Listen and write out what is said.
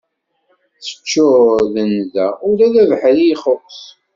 Teččur d nnda, ula d abeḥri ixuss.